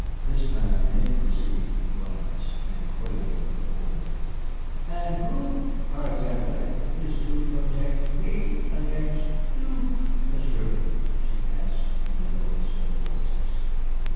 This time Nick received the glance, and quailed before it. "And who par exemple is to protect me against you, Monsieur?" she asked in the lowest of voices.